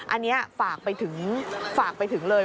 อันนี้ฝากไปถึงฝากไปถึงเลย